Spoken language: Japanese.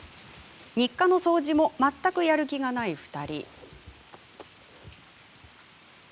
日課の掃除も全くやる気のない２人。